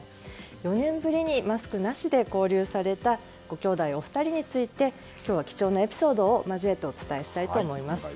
４年ぶりにマスクなしで交流されたご姉弟お二人について今日は貴重なエピソードを交えてお伝えしたいと思います。